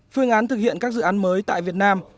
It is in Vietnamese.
phương án thực hiện các dự án mới tại việt nam